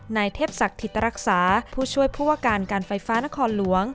นายเทพศักดิ์ถิตรักษาผู้ช่วยผู้ว่าการการไฟฟ้านครหลวง